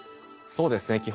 そうですね